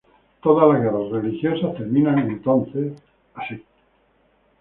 Todas las guerras religiosas terminan entonces y así.